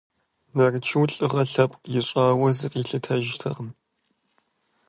Нарчу лӀыгъэ лъэпкъ ищӀауэ зыкъилъытэжыртэкъым.